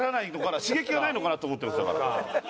刺激がないのかなと思ってますだから。